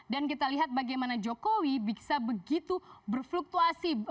dan kita lihat bagaimana jokowi bisa begitu berfluktuasi